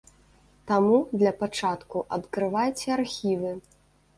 Таму, для пачатку, адкрыйце архівы!